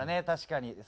確かに。